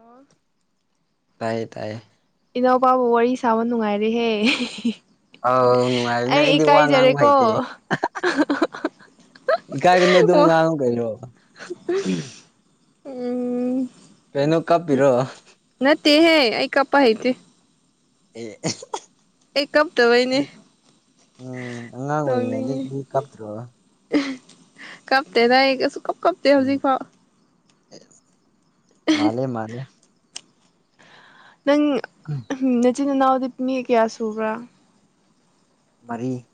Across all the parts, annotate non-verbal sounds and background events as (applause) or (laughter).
ꯑꯣ ꯇꯥꯏꯌꯦ ꯇꯥꯏꯌꯦ ꯏꯅꯥꯎꯄꯥꯕꯨ ꯋꯥꯔꯤ ꯁꯥꯕ ꯅꯨꯡꯉꯥꯏꯔꯦꯍꯦ ꯑꯥꯎ ꯅꯨꯡꯉꯥꯏꯕꯅꯦ ꯑꯩ ꯑꯩꯗꯤ ꯋꯥ ꯉꯥꯡꯕ ꯍꯩꯇꯦ ꯏꯀꯥꯏꯖꯔꯦꯀꯣ ꯏꯀꯥꯏꯒꯅꯣ ꯑꯗꯨꯝ ꯉꯥꯡꯉꯣ ꯀꯩꯅꯣ ꯎꯝ ꯀꯩꯅꯣ ꯀꯥꯞꯄꯤꯔꯣ ꯅꯠꯇꯦꯍꯦ ꯑꯩ ꯀꯥꯞꯄ ꯍꯩꯇꯦ ꯑꯦ ꯑꯩ ꯀꯞꯇꯕꯩꯅꯦ ꯎꯝ ꯑꯉꯥꯡ ꯅꯣꯛꯅꯤꯡꯉꯤ ꯑꯣꯏꯉꯗꯤ ꯀꯥꯞꯇ꯭ꯔꯣ ꯀꯞꯇꯦꯗ ꯑꯩ ꯀꯁꯨ ꯀꯞ ꯀꯞꯇꯦ ꯍꯧꯖꯤꯛ ꯐꯥꯎ ꯃꯥꯂꯦ ꯃꯥꯂꯦ ꯅꯪ ꯅꯆꯤꯟ ꯏꯅꯥꯎꯗꯤ ꯃꯤ ꯀꯌꯥ ꯁꯨꯕ꯭ꯔꯥ ꯃꯔꯤ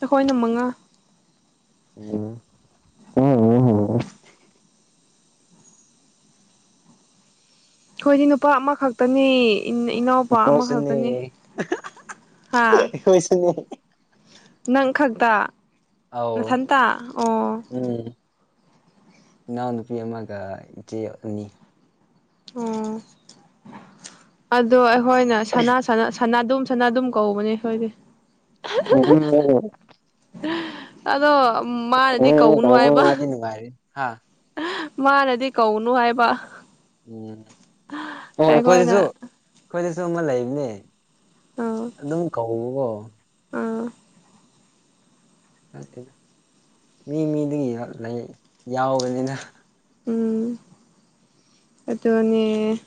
ꯑꯩꯈꯣꯏꯅ ꯃꯉꯥ ꯑꯣ ꯑꯣ ꯑꯣ ꯈꯣꯏꯗꯤ ꯅꯨꯄꯥ ꯑꯃꯈꯛꯇꯅꯤ ꯏꯅꯥꯎꯄꯥ ꯑꯩꯈꯣꯏꯁꯨꯅꯦ ꯑꯃꯈꯛꯇꯅꯤ ꯍꯥ ꯑꯩꯈꯣꯏꯁꯨꯅꯦ ꯅꯪ ꯈꯛꯇ ꯑꯧ ꯅꯊꯟꯇ ꯑꯣ ꯎꯝ ꯏꯅꯥꯎꯅꯨꯄꯤ ꯑꯃꯒ ꯏꯆꯦ ꯑꯅꯤ ꯑꯣ ꯑꯗꯣ ꯑꯩꯈꯣꯏꯅ ꯁꯅꯥ ꯁꯅꯥ ꯑꯗꯨꯝ ꯁꯅꯥ ꯑꯗꯨꯝ ꯀꯧꯕꯅꯦ ꯑꯩꯈꯣꯏꯗꯤ ꯑꯣ ꯎ ꯑꯗꯣ ꯃꯥꯅꯗꯤ ꯀꯧꯅꯨ ꯍꯥꯏꯕ ꯥꯏ ꯍꯥꯥ ꯃꯥꯅꯗꯤ ꯀꯧꯅꯨ ꯍꯥꯏꯕ ꯎꯝ ꯑꯣ ꯑꯩꯈꯣꯏꯗꯁꯨ ꯑꯩꯈꯣꯏꯅ ꯑꯩꯈꯣꯏꯗꯁꯨ ꯑꯃ ꯂꯩꯕꯅꯦ ꯑꯥ ꯑꯗꯨꯝ ꯀꯧꯕꯀꯣ ꯑꯥ ꯅꯠꯇꯦ ꯃꯤ ꯃꯤꯗꯨꯒꯤ ꯂꯩ ꯌꯥꯎꯕꯅꯤꯅ ꯎꯝ ꯑꯗꯨꯅꯦ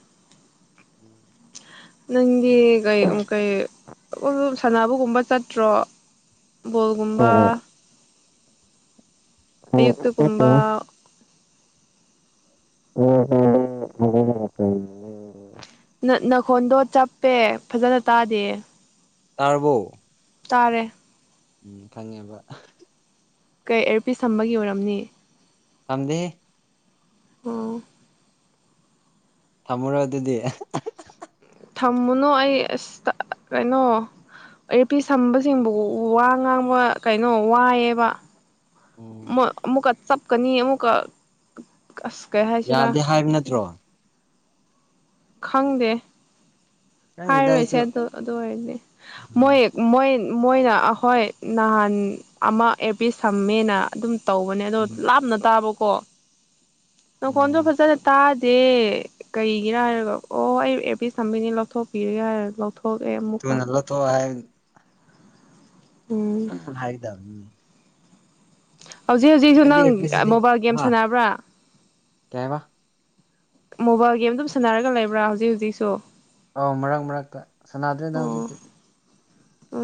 ꯎꯝ ꯅꯪꯗꯤ ꯀꯩ ꯎꯝ ꯀꯩ ꯁꯥꯟꯅꯕꯒꯨꯝꯕ ꯆꯠꯇ꯭ꯔꯣ ꯕꯣꯜꯒꯨꯝꯕ ꯑꯌꯨꯛꯇꯒꯨꯝꯕ ꯎꯝ ꯎꯝ ꯎꯝ ꯎꯝ ꯅꯅꯥꯈꯣꯟꯗꯣ ꯆꯞꯄꯦ ꯐꯖꯅ ꯇꯥꯗꯦ ꯇꯥꯔꯕꯣ ꯇꯥꯔꯦ ꯎꯝ ꯈꯪꯉꯦꯕ ꯀꯩ ꯑꯦꯔꯄꯤꯁ ꯊꯝꯕꯒꯤ ꯑꯣꯏꯔꯝꯅꯤ ꯇꯝꯗꯤ ꯑꯣ ꯊꯝꯃꯨꯔꯣ ꯑꯗꯨꯗꯤ ꯊꯝꯃꯨꯅꯣ ꯑꯩ ꯑꯁ ꯀꯩꯅꯣ ꯢꯌꯔꯄꯤꯁ ꯁꯝꯕꯁꯤꯡꯕꯨ ꯋꯥ ꯉꯥꯡꯕ ꯀꯩꯅꯣ ꯋꯥꯏꯌꯦꯕ ꯎꯝ ꯑꯃꯨꯛꯀ ꯆꯞꯀꯅꯤ ꯑꯃꯨꯛꯀ ꯑꯁ ꯀꯩ ꯍꯥꯏꯁꯤꯔ ꯌꯥꯗꯦ ꯍꯥꯏꯕ ꯅꯠꯇ꯭ꯔꯣ ꯈꯪꯗꯦ ꯈꯪꯗꯦꯗ ꯍꯥꯏꯔꯣꯏꯁꯦ ꯑꯩꯁꯨ ꯑꯗꯨ ꯑꯗꯨ ꯑꯣꯏꯔꯗꯤ ꯎꯝ ꯃꯣꯏ ꯃꯣꯏ ꯃꯣꯏꯅ ꯑꯩꯈꯣꯏ ꯅꯍꯥꯟ ꯑꯃ ꯑꯦꯄꯤꯁ ꯁꯝꯃꯦꯅ ꯑꯗꯨꯝ ꯇꯧꯕꯅꯦ ꯑꯗꯣ ꯎꯝ ꯂꯥꯞꯅ ꯇꯥꯕꯀꯣ ꯅꯪꯈꯣꯟꯁꯨ ꯎꯝ ꯐꯖꯅ ꯇꯥꯗꯦ ꯀꯩꯒꯤꯔꯥ ꯍꯥꯏꯔꯒ ꯑꯣ ꯑꯩ ꯑꯦꯞꯤꯁ ꯊꯝꯕꯩꯅꯤ ꯂꯧꯊꯣꯛꯄꯤꯔꯒꯦ ꯍꯥꯏꯔ ꯂꯧꯊꯣꯛ ꯊꯨꯅ ꯂꯧꯊꯣꯛꯑꯣ ꯍꯥꯏ ꯎꯝ ꯍꯥꯏꯗꯕꯦ ꯍꯧꯖꯤꯛ ꯍꯧꯖꯤꯛꯁꯨ ꯑꯩꯗꯤ ꯅꯪ ꯑꯦꯌꯔꯄꯤꯁꯁꯤꯗꯤ ꯃꯣꯕꯥꯏꯜ ꯒꯦꯝ ꯁꯥꯟꯅꯕ꯭ꯔꯥ ꯀꯩꯍꯥꯢꯕ ꯃꯣꯕꯥꯏꯜ ꯒꯦꯝ ꯑꯗꯨꯝ ꯁꯥꯟꯅꯔꯒ ꯂꯩꯕ꯭ꯔꯥ ꯍꯧꯖꯤꯛ ꯍꯧꯖꯤꯛꯁꯨ ꯑꯧ ꯃꯔꯛ ꯃꯔꯛꯇ ꯁꯥꯟꯅꯗ꯭ꯔꯦꯗꯪ ꯑꯣ ꯍꯧꯖꯤꯛꯇꯤ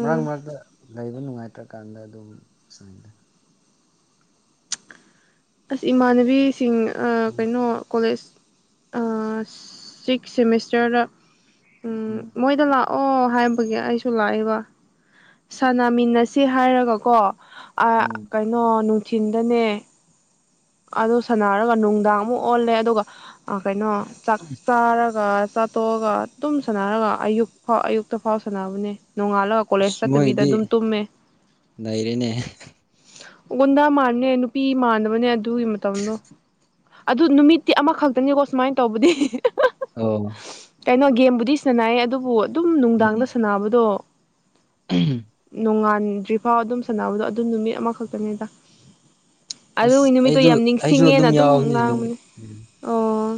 ꯃꯔꯛ ꯃꯔꯛꯇ ꯂꯩꯕ ꯅꯨꯡꯉꯥꯏꯇ꯭ꯔꯀꯥꯟꯗ ꯑꯗꯨꯝ ꯁꯨꯃꯥꯏꯅ ꯑꯁ ꯏꯃꯥꯟꯅꯕꯤꯁꯤꯡ ꯎꯝ ꯀꯩꯅꯣ ꯀꯣꯂꯦꯖ ꯑ ꯁꯤꯛꯁ ꯁꯦꯃꯤꯁꯇꯔꯗ ꯎꯝ ꯃꯣꯏꯗ ꯂꯥꯛ ꯑꯣ ꯍꯥꯏꯕꯒꯤ ꯑꯩꯁꯨ ꯂꯥꯛꯏꯕ ꯎꯝ ꯁꯥꯅꯃꯤꯟꯅꯁꯤ ꯍꯥꯏꯔꯒꯀꯣ ꯑ ꯎꯝ ꯀꯩꯅꯣ ꯅꯨꯡꯊꯤꯟꯗꯅꯦ ꯑꯗꯨ ꯁꯥꯟꯅꯔꯒ ꯅꯨꯡꯗꯥꯡꯃꯨꯛ ꯑꯣꯜꯂꯦ ꯑꯗꯨꯒ ꯀꯩꯅꯣ ꯆꯥꯛ ꯆꯥꯔꯒ ꯆ ꯇꯣꯛꯑꯒ ꯇꯨꯝ ꯁꯥꯟꯅꯔꯒ ꯑꯌꯨꯛ ꯐꯥꯎ ꯑꯌꯨꯛꯇ ꯐꯥꯎ ꯁꯥꯟꯅꯕꯅꯦ ꯅꯣꯡꯉꯥꯜꯂꯒ ꯀꯣꯂꯦꯖ ꯑꯁ ꯆꯠꯇꯕꯤꯗ ꯃꯣꯏꯒꯤꯗꯤ ꯑꯗꯨꯝ ꯇꯨꯝꯃꯦ ꯅꯩꯔꯦꯅꯦ ꯑꯣꯟꯅ ꯃꯥꯟꯅꯦ ꯅꯨꯄꯤ ꯃꯥꯟꯗꯕꯅꯦ ꯑꯗꯨꯒꯤ ꯃꯇꯝꯗꯣ ꯑꯗꯨ ꯅꯨꯃꯤꯠꯇꯤ ꯑꯃꯈꯛꯇꯅꯤꯀꯣ ꯁꯨꯃꯥꯏꯟ ꯇꯧꯕꯗꯤ ꯑꯣ ꯀꯩꯅꯣ ꯒꯦꯝꯕꯨꯗꯤ ꯁꯥꯟꯅꯥꯏꯌꯦ ꯑꯗꯨꯕꯨ ꯑꯗꯨꯝ ꯅꯨꯡꯗꯥꯡꯗ ꯁꯥꯟꯅꯕꯗꯣ ꯎꯝ ꯅꯣꯡꯉꯥꯟꯗ꯭ꯔꯤ ꯐꯥꯎ ꯑꯗꯨꯝ ꯁꯥꯟꯅꯕꯗꯣ ꯑꯗꯨꯝ ꯅꯨꯃꯤꯠ ꯑꯃꯈꯛꯇꯅꯦꯗ ꯑꯗꯨ ꯑꯁ ꯅꯨꯃꯤꯠꯇꯣ ꯑꯩꯗꯨ ꯌꯥꯝ ꯑꯩꯁꯨ ꯅꯤꯡꯁꯤꯡꯉꯦꯅ ꯑꯗꯨꯝ ꯌꯥꯎꯕꯅꯤ ꯅꯨꯃꯤꯠ ꯉꯥꯡꯕꯅꯦ ꯎꯝ ꯑꯣ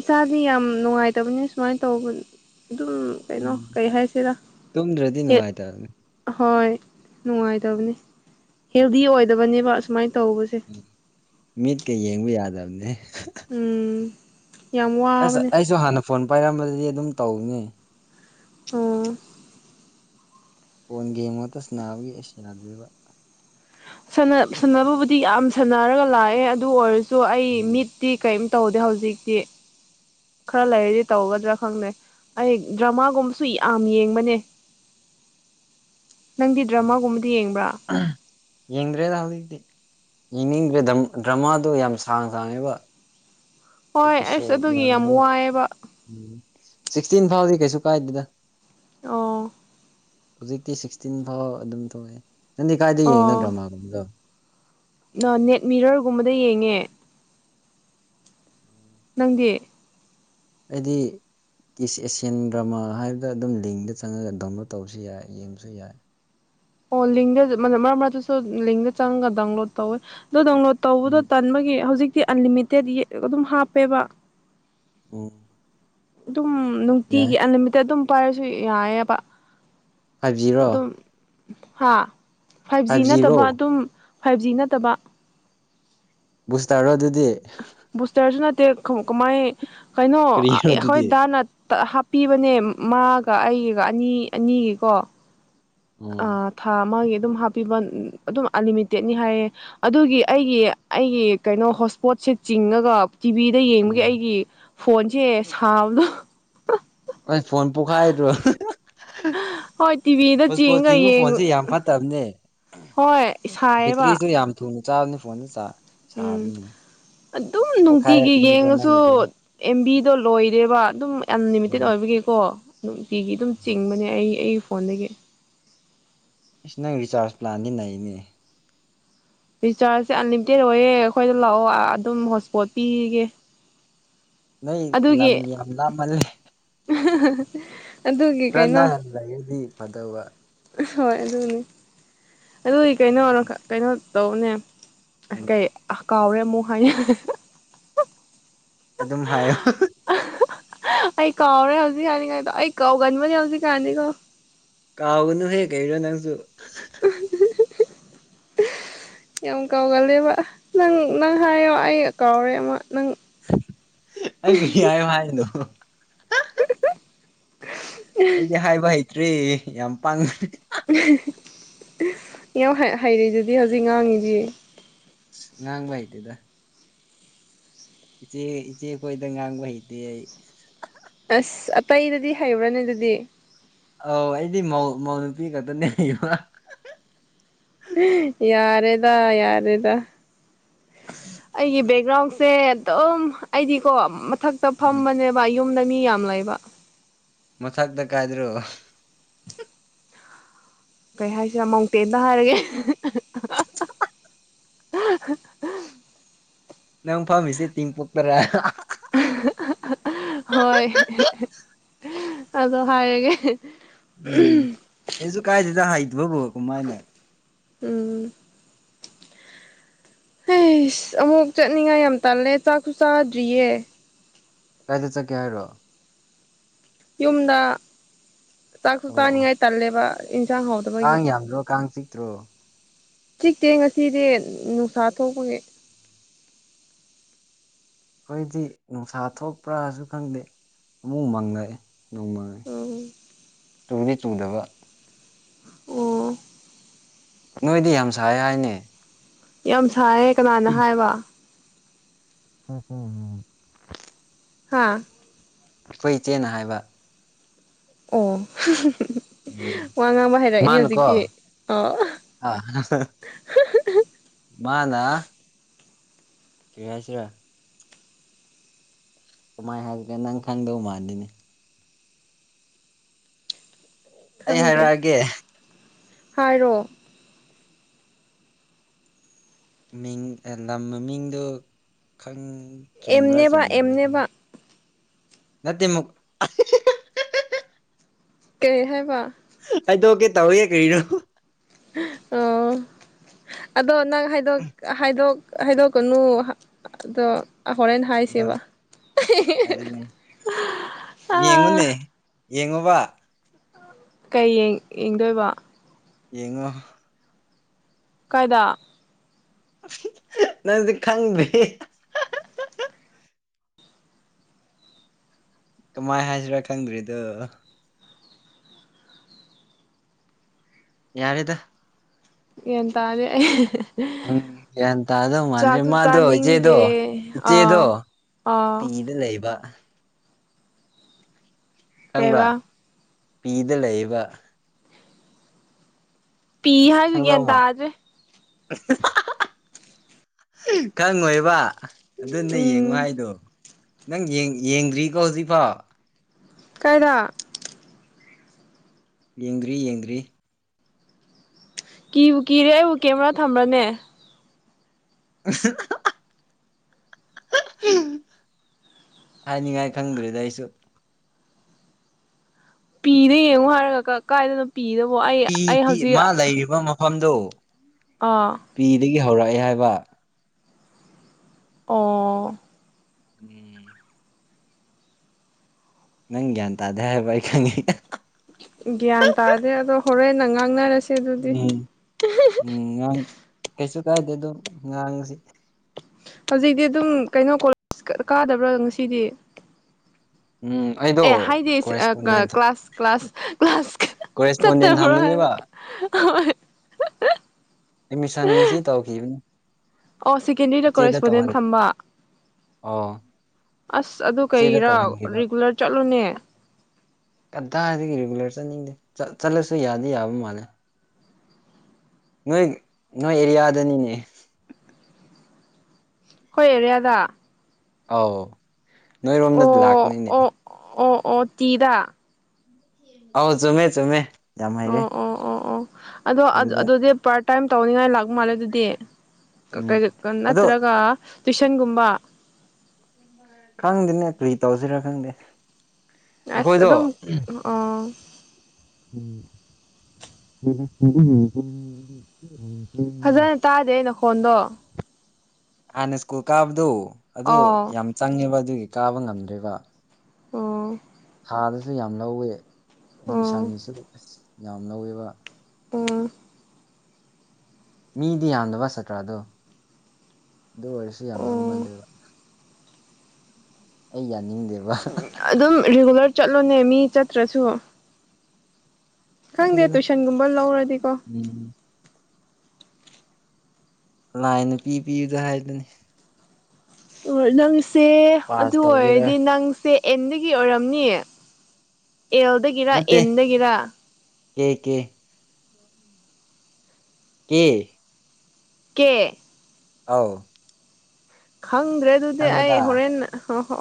ꯏꯁꯥꯗꯤ ꯌꯥꯝ ꯅꯨꯡꯉꯥꯏꯇꯕꯅꯤ ꯁꯨꯃꯥꯏꯅ ꯇꯧꯕ ꯑꯗꯨꯝ ꯀꯩꯅꯣ ꯎꯝ ꯀꯩ ꯍꯥꯏꯁꯤꯔ ꯇꯨꯝꯗ꯭ꯔꯗꯤ ꯍꯦꯛ ꯅꯨꯡꯉꯥꯏꯇꯕꯅꯤ ꯍꯣꯏ ꯅꯨꯡꯉꯥꯏꯇꯕꯅꯤ ꯍꯦꯜꯗꯤ ꯑꯣꯏꯗꯕꯅꯦꯕ ꯑꯁꯨꯃꯥꯏꯅ ꯇꯧꯕꯁꯦ ꯎ ꯃꯤꯠꯀ ꯌꯦꯡꯕ ꯌꯥꯗꯕꯅꯦ ꯎꯝ ꯌꯥꯝ ꯑꯁ ꯋꯥꯕꯅꯦ ꯑꯩꯁꯨ ꯍꯥꯟꯅ ꯐꯣꯟ ꯄꯥꯏꯔꯝꯕꯗꯗꯤ ꯑꯗꯨꯝ ꯇꯧꯅꯤ ꯑꯣ (inaudible) ꯐꯣꯟ ꯒꯦꯝ ꯃꯠꯇ ꯁꯅꯥꯕꯒꯤ ꯁꯟꯅꯗꯣꯏꯕ ꯁꯥꯟꯅꯕꯕꯨꯗꯤ ꯌꯥꯝ ꯁꯥꯟꯅꯔꯒ ꯂꯥꯛꯑꯦ ꯑꯗꯨ ꯑꯣꯏꯔꯁꯨ ꯑꯩ ꯎꯝ ꯃꯤꯠ ꯇꯤ ꯀꯔꯤꯝ ꯇꯧꯗꯦ ꯍꯧꯖꯤꯛꯇꯤ ꯈꯔ ꯂꯩꯔꯗꯤ ꯇꯧꯒꯗ꯭ꯔꯥ ꯈꯪꯗꯦ ꯑꯩ ꯗ꯭ꯔꯃꯥꯒꯨꯝꯕꯁꯨ ꯌꯥꯝ ꯌꯦꯡꯕꯅꯦ ꯅꯪꯗꯤ ꯎꯝ ꯗ꯭ꯔꯃꯥꯒꯨꯝꯕꯗꯤ ꯌꯦꯡꯕ꯭ꯔꯥ ꯌꯦꯡꯗ꯭ꯔꯦꯗ ꯍꯧꯖꯤꯛꯇꯤ ꯌꯦꯡꯅꯤꯡꯗ꯭ꯔꯦ ꯗ꯭ꯔꯃꯥꯗꯣ ꯌꯥꯝ ꯁꯥꯡ ꯁꯥꯡꯉꯦꯕ ꯍꯣꯏ ꯑꯁ ꯑꯦꯄꯤꯁꯣꯠ ꯑꯗꯨꯒꯤ ꯌꯥꯝ ꯌꯥꯝꯃꯦꯕ ꯋꯥꯏꯌꯦꯕ ꯎꯝ ꯁꯤꯛꯁꯇꯤꯟ ꯐꯥꯎꯗꯤ ꯀꯩꯁꯨ ꯀꯥꯏꯗꯦꯗ ꯑꯣ ꯍꯧꯖꯤꯛꯇꯤ ꯁꯤꯛꯁꯇꯤꯟ ꯐꯥꯎ ꯑꯗꯨꯝ ꯊꯣꯛꯑꯦ ꯅꯪꯗꯤ ꯀꯥꯏꯗ ꯌꯦꯡꯉꯤꯅꯣ ꯗ꯭ꯔꯃꯥꯒꯨꯝꯗꯣ ꯅ ꯅꯦꯠ ꯃꯤꯔꯔꯒꯨꯝꯕꯗ ꯌꯦꯡꯉꯦ ꯅꯪꯗꯤ ꯑꯩꯗꯤ ꯇꯤꯁ ꯑꯦꯁꯤꯌꯥꯟ ꯗ꯭ꯔꯃꯥ ꯍꯥꯏꯕꯗ ꯑꯗꯨꯝ ꯂꯤꯡꯗ ꯆꯪꯉꯒ ꯗꯥꯎꯟꯂꯣꯗ ꯇꯧꯕꯁꯨ ꯌꯥꯏ ꯌꯦꯡꯕꯁꯨ ꯌꯥꯏ ꯑꯣ ꯂꯤꯡꯗ ꯃꯔꯛ ꯃꯔꯛꯇꯁꯨ ꯂꯤꯡꯗ ꯆꯪꯉꯒ ꯗꯥꯎꯟꯂꯣꯗ ꯇꯧꯋꯦ ꯑꯗꯣ ꯗꯥꯎꯟꯂꯣꯗ ꯇꯧꯕꯗꯣ ꯇꯟꯕꯒꯤ ꯍꯧꯖꯤꯛꯇꯤ ꯑꯟꯂꯤꯃꯤꯇꯦꯠ ꯑꯗꯨꯝ ꯍꯥꯞꯄꯦꯕ ꯑꯝ ꯑꯗꯨꯝ ꯅꯨꯡꯇꯤꯒꯤ ꯑꯟꯂꯤꯃꯤꯠꯇ ꯑꯗꯨꯝ ꯄꯥꯏꯔꯁꯨ ꯌꯥꯏꯌꯦꯑꯕ ꯐꯥꯏꯚ ꯖꯤꯔꯣ ꯑꯗꯨꯝ ꯍꯥ ꯐꯥꯏꯚ ꯖꯤ ꯅꯠꯇꯕ ꯑꯗꯨꯝ ꯐꯥꯏꯚ ꯖꯤ ꯅꯠꯇꯕ ꯕꯨꯁꯇꯔꯣ ꯑꯗꯨꯗꯤ ꯕꯨꯁꯇ꯭ꯔꯁꯨ ꯅꯠꯇꯦ ꯀꯃꯥꯏ ꯀꯩꯅꯣ ꯀꯔꯤꯔꯣ ꯑꯩꯈꯣꯏ ꯑꯗꯨꯗꯤ ꯗꯥꯅ ꯍꯥꯞꯄꯤꯕꯅꯦ ꯃꯥꯒ ꯑꯩꯒꯤꯒ ꯑꯅꯤ ꯑꯅꯤꯒꯤꯀꯣ ꯎꯝ ꯊꯥ ꯑꯃꯒꯤ ꯑꯗꯨꯝ ꯍꯥꯞꯄꯤꯕ ꯑꯗꯨꯝ ꯑꯟꯂꯤꯃꯤꯇꯦꯠꯅꯤ ꯍꯥꯏꯌꯦ ꯑꯗꯨꯒꯤ ꯑꯩꯒꯤ ꯑꯩꯒꯤ ꯀꯩꯅꯣ ꯍꯣꯠꯁꯄꯣꯠꯁꯦ ꯆꯤꯡꯉꯒ ꯇꯤꯚꯤꯗ ꯌꯦꯡꯕꯒꯤ ꯎꯝ ꯑꯩꯒꯤ ꯐꯣꯟꯁꯦ ꯁꯥꯕꯗ ꯑꯩ ꯐꯣꯟ ꯄꯣꯛꯈꯥꯏꯗ꯭ꯔꯣ ꯍꯣꯏ ꯇꯤꯚꯤꯗ ꯄꯣꯁꯄꯣꯠ ꯆꯤꯡꯉꯒ ꯆꯤꯡꯕ ꯌꯦꯡ ꯐꯣꯟꯁꯦ ꯌꯥꯝ ꯐꯠꯇꯕꯅꯦ ꯍꯣꯏ ꯁꯥꯏꯌꯦꯕ ꯕꯦꯇ꯭ꯔꯤꯁꯨ ꯌꯥꯝ ꯊꯨꯅ ꯆꯥꯕꯅꯤ ꯐꯣꯟꯁꯨ ꯆꯥ ꯎꯝ ꯁꯥꯕꯅꯤ ꯑꯗꯨꯝ ꯅꯨꯡꯇꯤꯒꯤ ꯄꯣꯛꯈꯥꯏꯔꯛꯀꯅꯤꯀꯣ ꯌꯦꯡꯉꯁꯨ ꯅꯪꯒꯤꯗꯣ ꯑꯦꯝꯕꯤꯗꯣ ꯂꯣꯏꯔꯦꯕ ꯑꯗꯨꯝ ꯑꯟꯂꯤꯃꯤꯇꯦꯠ ꯎꯝ ꯑꯣꯏꯕꯒꯤꯀꯣ ꯅꯨꯡꯇꯤꯒꯤ ꯑꯗꯨꯝ ꯆꯤꯡꯕꯅꯦ ꯑꯩ ꯑꯩꯒꯤ ꯐꯣꯟꯗꯒꯤ ꯑꯩꯁ ꯅꯪ ꯔꯤꯆꯥꯔꯖ ꯄ꯭ꯂꯥꯟꯗꯤ ꯅꯩꯔꯤꯅꯦ ꯔꯤꯆꯥꯔꯖꯁꯦ ꯑꯟꯂꯤꯃꯤꯇꯦꯠ ꯑꯣꯏꯌꯦ ꯑꯩꯈꯣꯏꯗ ꯂꯥꯛꯑꯣ ꯑꯗꯨꯝ ꯍꯣꯠꯁꯄꯣꯠ ꯄꯤꯒꯦ ꯅꯣꯏ ꯑꯗꯨꯒꯤ ꯂꯝ ꯌꯥꯝ ꯂꯥꯞꯃꯜꯂꯦ ꯑꯗꯨꯒꯤ ꯈꯔ ꯀꯩꯅꯣ ꯅꯛꯅ ꯂꯩꯔꯗꯤ ꯐꯗꯧꯕ ꯍꯣꯏ ꯑꯗꯨꯅꯤ ꯑꯗꯨꯒꯤ ꯀꯩꯅꯣ ꯀꯩꯅꯣ ꯇꯧꯅꯦ ꯎꯝ ꯀꯩ ꯀꯥꯎꯔꯦ ꯑꯃꯨꯛ ꯍꯥꯏꯅ ꯑꯗꯨꯝ ꯍꯥꯏꯌꯣ ꯑꯩ ꯀꯥꯎꯔꯦ ꯍꯧꯖꯤꯛ ꯀꯅꯤꯉꯥꯏꯗꯣ ꯑꯩ ꯀꯥꯎꯒꯟꯕꯅꯦ ꯍꯧꯖꯤꯛ ꯌꯥꯅꯤꯀꯣ ꯀꯥꯎꯒꯅꯨꯍꯦ ꯀꯔꯤꯅꯣ ꯅꯪꯁꯨ (unintelligible) ꯌꯥꯝ ꯀꯥꯎꯒꯂꯦꯕ ꯅꯪ ꯅꯪ ꯍꯥꯏꯌꯣ ꯑꯩ ꯀꯥꯎꯔꯦ ꯑꯃ ꯅꯪ ꯑꯩ ꯀꯩ ꯍꯥꯏꯌꯨ ꯍꯥꯏꯅꯣ ꯑꯩꯗꯤ ꯍꯥꯏꯕ ꯍꯩꯇ꯭ꯔꯦ ꯌꯥꯝ ꯄꯥꯡ ꯌꯥꯝ ꯍꯩꯔꯤꯗꯨꯗꯤ ꯍꯧꯖꯤꯛ ꯉꯥꯡꯉꯤꯁꯤ ꯉꯪ ꯂꯥꯏꯇꯗ ꯏꯆꯦ ꯏꯆꯦ ꯈꯣꯏꯗ ꯉꯥꯡꯕ ꯍꯩꯇꯦ ꯑꯩ ꯑꯁ ꯑꯇꯩꯗꯗꯤ ꯍꯩꯔꯨꯔꯅꯦ ꯑꯗꯨꯗꯤ ꯑꯧ ꯑꯩꯗꯤꯧ ꯃꯧ ꯅꯨꯨꯄꯤ ꯈꯛꯇꯅꯦꯕ ꯌꯥꯔꯦꯗ ꯌꯥꯔꯦꯗ ꯑꯩꯒꯤ ꯕꯦꯛꯒ꯭ꯔꯥꯎꯟꯁꯦ ꯑꯗꯨꯝ ꯑꯩꯗꯤꯀꯣ ꯃꯊꯛꯇ ꯎꯝ ꯐꯝꯕꯅꯦꯕ ꯌꯨꯝꯗ ꯃꯤ ꯌꯥꯝ ꯂꯩꯕ ꯃꯊꯥꯛꯗ ꯀꯗ꯭ꯔꯣ ꯀꯩ ꯍꯥꯏꯁꯤꯔꯥ ꯃꯥꯎꯟꯇꯦꯟꯗ ꯍꯥꯏꯔꯒꯦ (inaudible) ꯅꯪ ꯐꯝꯃꯤꯁꯦ ꯇꯦꯡꯄꯣꯛꯄꯔꯥ (unintelligible) ꯍꯣꯏ ꯑꯗꯣ ꯍꯥꯏꯔꯒꯦ ꯎꯝ ꯑꯩꯁꯨ ꯀꯥꯏꯗꯦꯗ ꯍꯩꯗꯕꯨ ꯀꯃꯥꯏꯅ ꯎꯝ ꯍ ꯑꯃꯨꯛ ꯆꯠꯅꯤꯡꯉꯥꯏ ꯌꯥꯝ ꯇꯜꯂꯦ ꯆꯥꯛꯁꯨ ꯆꯥꯗ꯭ꯔꯤꯌꯦ ꯀꯥꯏꯗ ꯆꯠꯀꯦ ꯍꯥꯏꯔꯣ ꯌꯨꯝꯗ ꯆꯥꯛꯁꯨ ꯑꯣ ꯑꯣ ꯆꯥꯅꯤꯡꯉꯥꯏ ꯇꯜꯂꯦꯕ ꯌꯦꯟꯁꯥꯡ ꯍꯥꯎꯇꯥꯕꯒꯤ ꯀꯥꯡ ꯌꯥꯝꯗ꯭ꯔꯣ ꯀꯥꯡ ꯆꯤꯛꯇ꯭ꯔꯣ ꯆꯤꯛꯇꯦ ꯉꯁꯤꯗꯤ ꯅꯨꯡꯁꯥ ꯊꯣꯛꯄꯒꯤ ꯑꯩꯈꯣꯏꯗꯤ ꯅꯨꯡꯁꯥ ꯊꯣꯛꯄ꯭ꯔꯥꯁꯨ ꯈꯪꯗꯦ ꯑꯃꯨꯛ ꯃꯪꯉꯛꯑꯦ ꯎꯝ ꯅꯣꯡꯗꯤ ꯆꯨꯗꯕ ꯑꯣ ꯅꯣꯏꯗꯤ ꯌꯥꯝ ꯁꯥꯏ ꯍꯥꯏꯅꯦ ꯌꯥꯝ ꯁꯥꯏꯌꯦ ꯀꯅꯥꯅ ꯍꯥꯏꯕ ꯍꯝ ꯍꯝ ꯍꯝ ꯍꯥꯥ ꯑꯩꯈꯣꯏ ꯏꯆꯦꯅ ꯍꯥꯏꯕ ꯑꯣ ꯎꯝ ꯋꯥ ꯉꯥꯡꯕ ꯍꯥꯏꯔꯛꯏꯅꯦ ꯃꯥꯅꯀꯣ ꯍꯧꯖꯤꯛꯇꯤ ꯑ ꯑ ꯃꯥꯅꯥ ꯀꯔꯤ ꯍꯥꯏꯁꯤꯔꯥ ꯃꯥꯏ ꯍꯁꯕꯦꯟ ꯅꯪ ꯈꯪꯗꯧ ꯃꯥꯥꯟꯗꯅꯦ ꯑꯩ ꯈꯪꯗꯦ ꯍꯥꯏꯔꯛꯑꯒꯦ ꯍꯥꯏꯔꯣ ꯃꯤꯡ ꯂꯝ ꯃ ꯃꯤꯡꯗꯨ ꯈꯪ ꯆꯨꯝꯕ꯭ꯔꯥ ꯑꯦꯝꯅꯦꯕ ꯆꯨꯝꯗꯕ꯭ꯔꯥ ꯑꯦꯝꯅꯦꯕ ꯅꯠꯇꯦ ꯃꯨꯛ ꯀꯩ ꯍꯥꯏꯕ ꯍꯥꯏꯗꯣꯛꯀꯦ ꯇꯧꯏ ꯀꯔꯤꯅꯣ ꯑꯣ ꯑꯗꯣ ꯅꯪ ꯍꯥꯏꯗꯣꯛ ꯍꯥꯏꯗꯣꯛ ꯍꯥꯏꯗꯣꯛꯀꯅꯨ ꯑꯗꯣ ꯍꯣꯔꯦꯟ ꯑꯥ ꯍꯥꯏꯁꯦꯕ ꯑꯗꯨꯅꯦ ꯑ ꯌꯦꯡꯉꯣꯕꯥ ꯀꯩ ꯌꯦꯡꯗꯣꯏꯕ ꯌꯦꯡꯉꯣ ꯀꯥꯏꯗ ꯅꯪꯗꯤ ꯈꯪꯗꯔꯤ ꯀꯃꯥꯏ ꯍꯥꯏꯁꯤꯔꯥ ꯈꯪꯗ꯭ꯔꯦꯗꯣ ꯌꯥꯔꯦꯗ ꯒꯌ꯭ꯥꯟ ꯇꯥꯔꯦ ꯑꯩ ꯎꯝ ꯒꯌ꯭ꯥꯟ ꯇꯥꯗꯧ ꯃꯟꯗꯔ꯭ꯦ ꯆꯥꯛꯁꯨ ꯃꯥꯗꯨ ꯆꯥꯅꯤꯡꯗꯦ ꯏꯆꯦꯗꯣ ꯏꯆꯦꯗꯣ ꯑꯥ ꯑꯥ ꯄꯤꯗ ꯂꯩꯕ ꯀꯪꯕ꯭ꯔꯥ ꯀꯩꯕ ꯄꯤꯗ ꯂꯩꯌꯦꯕ ꯄꯤ ꯍꯥꯏꯕꯨ ꯈꯪꯗꯧ ꯒ꯭ꯌꯥꯟ ꯃꯥꯜ ꯇꯥꯗ꯭ꯔꯦ ꯈꯪꯉꯣꯏꯕ ꯑꯗꯨꯅꯦ ꯌꯦꯡꯉꯣ ꯎꯝ ꯍꯥꯏꯗꯣ ꯅꯪ ꯌꯦꯡꯗ꯭ꯔꯤꯀꯣ ꯍꯧꯖꯤꯛꯐꯥꯎ ꯀꯩꯔꯥ ꯌꯦꯡꯗ꯭ꯔꯤ ꯌꯦꯡꯗ꯭ꯔꯤ ꯀꯤꯕꯨ ꯀꯤꯔꯦ ꯑꯩꯕꯨ ꯀꯦꯃꯦꯔꯥ ꯊꯝꯕ꯭ꯔꯅꯦ (unintelligible) ꯍꯥꯏꯅꯤꯡꯉꯥꯏ ꯈꯪꯗ꯭꯭ꯔꯦꯗ ꯑꯩꯁꯨ ꯄꯤꯗ ꯌꯦꯡꯉꯣ ꯍꯥꯏꯔꯒ ꯀꯥꯏꯗꯅꯣ ꯄꯤꯗꯕꯣ ꯑꯩ ꯑꯩ ꯍꯧꯖꯤꯛ ꯐꯝꯗꯣ ꯑꯥ ꯄꯤꯗꯒꯤ ꯍꯧꯔꯛꯑꯦ ꯍꯥꯏꯕ ꯑꯣ ꯎꯝ ꯅꯪ ꯒ꯭ꯌꯥꯟ ꯇꯥꯗꯦ ꯍꯥꯏꯕ ꯑꯩ ꯈꯪꯏ ꯒ꯭ꯌꯥꯟ ꯇꯥꯗꯦ ꯑꯗꯣ ꯍꯣꯔꯦꯟꯅ ꯉꯥꯡꯅꯔꯁꯤ ꯎꯝ ꯎꯝ ꯉꯥꯡ ꯀꯩꯁꯨ ꯀꯥꯏꯗꯦ ꯑꯗꯨꯝ ꯉꯥꯡꯁꯤ ꯍꯧꯖꯤꯛꯇꯤ ꯑꯗꯨꯝ ꯀꯩꯅꯣ ꯀꯣꯂꯦꯖ ꯀ ꯀꯥꯗꯕ꯭ꯔꯥ ꯉꯁꯤꯗꯤ ꯎꯝ ꯑꯩꯗꯣ ꯑꯦ ꯍꯥꯏꯗꯤ ꯁ ꯑ ꯑ correspondence class class class correspondence ꯆꯠꯇꯕ꯭ꯔꯥ ꯍꯥꯏꯕ ꯊꯝꯕꯅꯦꯕ ꯑꯦꯠꯃꯤꯁꯟ ꯉꯁꯤ ꯇꯧꯈꯤꯕꯅꯦ ꯑꯣ ꯁꯦꯀꯦꯟꯗꯔꯤꯗ ꯀꯣꯔꯔꯦꯁꯄꯣꯟꯗꯦꯟ ꯊꯝꯕ ꯑꯣ ꯑꯁ ꯑꯗꯨ ꯏꯆꯦꯗ ꯀꯩꯔꯥ ꯇꯧꯍꯟꯈꯤꯕ ꯔꯤꯒꯨꯂꯔ ꯆꯠꯂꯨꯅꯦ ꯀꯗꯥꯏꯗꯒꯤ ꯔꯤꯒꯨꯂꯔ ꯆꯠꯅꯤꯡꯗꯦ ꯆꯠꯂꯁꯨ ꯌꯥꯗꯤ ꯌꯥꯕ ꯃꯥꯜꯂꯦ ꯅꯣꯏ ꯅꯣꯏ ꯑꯦꯔꯤꯌꯥꯗꯅꯤꯅꯦ ꯑꯩꯈꯣꯏ ꯑꯦꯔꯤꯌꯥꯗ ꯑꯧ ꯅꯣꯏ ꯔꯣꯝꯗ ꯑꯣ ꯂꯥꯛꯀꯥꯅꯤꯅꯦ ꯑꯣ ꯑꯣ ꯑꯣ ꯇꯤꯗ ꯑꯧ ꯆꯨꯝꯃꯦ ꯆꯨꯝꯃꯦ ꯌꯥꯃ ꯍꯩꯔꯦ ꯑꯣ ꯑꯣ ꯑꯣ ꯑꯣ ꯑꯗꯣ ꯑꯗꯨꯗ ꯑꯗꯨꯗꯤ ꯄꯥꯔꯠ ꯇꯥꯏꯝ ꯇꯧꯅꯤꯡꯉꯥꯏ ꯂꯥꯛ ꯃꯥꯜꯂꯦ ꯑꯗꯨꯗꯤ ꯀ ꯎꯝ ꯀꯩꯒ ꯀ ꯑꯗꯣ ꯅꯠꯇ꯭ꯔꯒ ꯇ꯭ꯨꯋꯏꯁꯟ ꯒꯨꯝꯕ (inaudible) ꯈꯪꯗꯦꯅꯦ ꯀ꯭ꯔꯤ ꯇꯧꯁꯤꯔ ꯈꯪꯗꯦ ꯑꯁ ꯑꯩꯈꯣꯏꯗꯣ ꯑꯗꯨꯝ ꯑꯣ (inaudible) ꯐꯖꯅ ꯇꯥꯗꯦ ꯅꯈꯣꯟꯗꯣ ꯍꯥꯟꯅ ꯁ꯭ꯀꯨꯜ ꯀꯥꯕꯗꯨ ꯑꯗꯨ ꯑꯥꯎ ꯌꯥꯝ ꯆꯪꯉꯦꯕ ꯑꯗꯨꯒꯤ ꯀꯥꯕ ꯉꯝꯗ꯭ꯔꯦꯕ ꯑꯣ ꯊꯥꯗꯁꯨ ꯌꯥꯝ ꯂꯧꯋꯦ ꯑꯣ ꯑꯦꯠꯃꯤꯁꯟꯒꯤꯁꯨ ꯑꯁ ꯌꯥꯝ ꯂꯧꯑꯦꯕ ꯎꯝ ꯃꯤꯗꯤ ꯌꯥꯝꯗꯕ ꯁꯇ꯭ꯔꯥꯗꯣ ꯑꯗꯨ ꯑꯣꯏꯔꯁꯨ ꯌꯥꯝ ꯑꯣ ꯂꯧꯃꯜꯂꯦꯕ ꯑꯩ ꯌꯥꯅꯤꯡꯗꯦꯕ ꯑꯗꯨꯝ ꯔꯤꯒꯨꯂꯔ ꯆꯠꯂꯣꯅꯦ ꯃꯤ ꯆꯠꯇ꯭ꯔꯁꯨ ꯈꯪꯗꯦ ꯈꯪꯗꯦꯗ ꯇꯨꯏꯁꯟꯒꯨꯝꯕ ꯂꯧꯔꯗꯤꯀꯣ ꯎꯝ ꯂꯥꯏꯅ ꯄꯤ ꯄꯤꯕꯗꯨ ꯍꯥꯏꯗꯨꯅꯤ (unintelligible) ꯅꯪꯁꯦ ꯄꯥꯁ ꯑꯗꯨ ꯇꯧꯒꯦꯔꯥ ꯑꯣꯏꯔꯗꯤ ꯅꯪꯁꯦ ꯑꯦꯟꯗꯒꯤ ꯑꯣꯏꯔꯝꯅꯤꯌꯦ ꯑꯦꯜꯗꯒꯤꯔ ꯅꯠꯇꯦ ꯑꯦꯟꯗꯒꯤꯔ ꯀꯦ ꯀꯦ (inaudible) ꯀꯦ ꯀꯦ ꯑꯧ ꯈꯪꯗ꯭ꯔꯦ ꯑꯗꯨꯗꯤ ꯈꯪꯉꯣꯗ ꯑꯩ ꯍꯣꯔꯦꯟ ꯍ ꯍꯣ